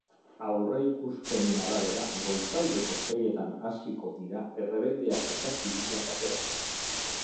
Aurreikuspenen arabera, goizaldeko seietan hasiko dira errebeldeak eta zibilak ateratzen.